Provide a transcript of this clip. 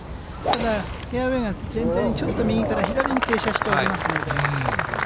ただ、フェアウエーが全然、ちょっと右から左に傾斜しておりますので。